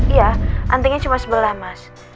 iya antinya cuma sebelah mas